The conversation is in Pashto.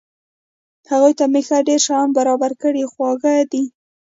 هغوی ته مې ښه ډېر شیان برابر کړي، خواږه یې دي.